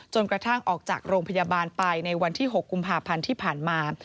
กระทั่งออกจากโรงพยาบาลไปในวันที่๖กุมภาพันธ์ที่ผ่านมา